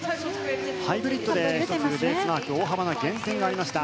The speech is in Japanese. ハイブリッドでベースマーク大幅な減点がありました。